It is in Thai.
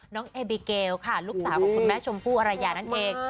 น้องเอบิเกลค่ะลูกสาวของคุณแม่ชมพู่อรยานั่นเอง